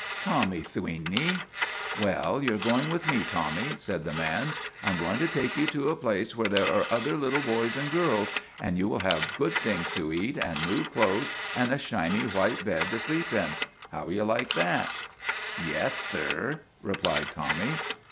" Tommy Thweeney." " Well, you 're going with me, Tommy," said the man. " I 'm going to take you to a place where there are other little boys and girls, and you will have good things to eat, and new clothes, and a shiny white bed to sleep in. How will you like that ?"" Yeth, thir," replied Tommy.